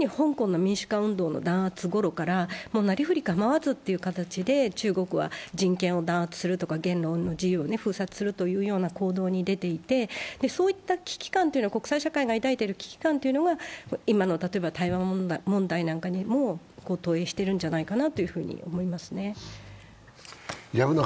特に香港の民主化運動の弾圧ごろからなりふり構わずという形で中国は人権を弾圧するとか、言論の自由を封殺するという行動に出ていて、そういった国際社会が抱いている危機感が今の台湾問題なんかにも投影しているんじゃないかなと思いますね。